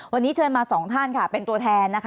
วันนี้เชิญมาสองท่านค่ะเป็นตัวแทนนะคะ